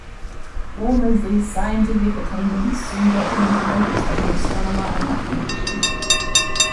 Walmesley's scientific attainments soon brought him into notice as an astronomer and mathematician.